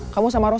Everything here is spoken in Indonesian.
kamu sama rosa